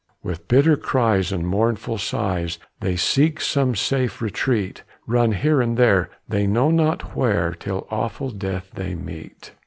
With bitter cries and mournful sighs, They seek some safe retreat, Run here and there, they know not where, Till awful death they meet.